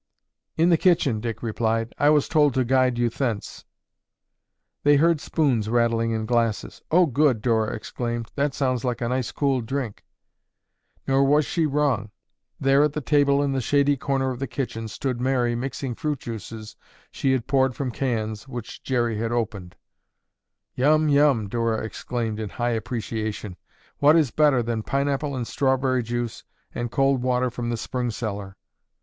"In the kitchen," Dick replied. "I was told to guide you thence." They heard spoons rattling in glasses. "Oh, good!" Dora exclaimed. "That sounds like a nice, cool drink." Nor was she wrong. There at the table in the shady corner of the kitchen stood Mary mixing fruit juices she had poured from cans which Jerry had opened. "Yum! Yum!" Dora exclaimed in high appreciation. "What is better than pineapple and strawberry juice and cold water from the spring cellar?"